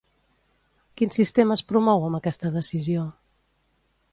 Quin sistema es promou amb aquesta decisió?